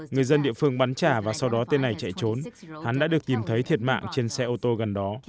người dân địa phương bắn trả và sau đó tên này chạy trốn hắn đã được tìm thấy thiệt mạng trên xe ô tô gần đó